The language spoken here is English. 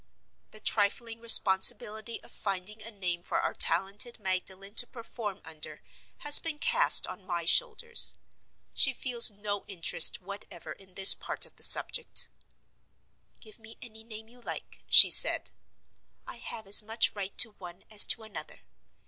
The trifling responsibility of finding a name for our talented Magdalen to perform under has been cast on my shoulders. She feels no interest whatever in this part of the subject. "Give me any name you like," she said; "I have as much right to one as to another.